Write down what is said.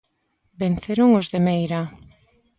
Venceron os de Meira.